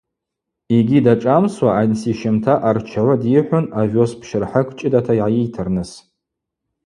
Йгьи дашӏамсуа ансищымта арчагӏвы дйыхӏвун овес пщырхӏакӏ чӏыдата йгӏайыйтырныс.